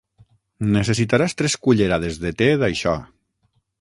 Necessitaràs tres cullerades de te d'això.